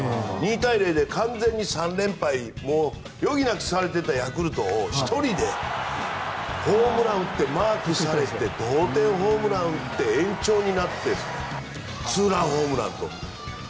２対０で完全に３連敗を余儀なくされてたヤクルトを１人でホームラン打ってマークされて同点ホームラン打って延長になってツーランホームラン。